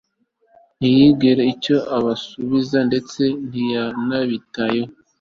ntiyagira icyo abasubiza, ndetse ntiyanabitaho